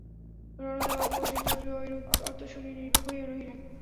রণদাবাবু চিত্রটির ঐরূপ অর্থ শুনিয়া নির্বাক হইয়া রহিলেন।